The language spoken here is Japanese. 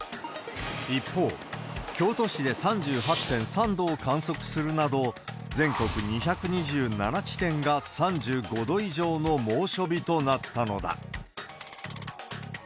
一方、京都市で３８．３度を観測するなど、全国２２７地点が３５度以上の猛暑日となったのだ。